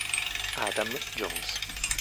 Adam Jones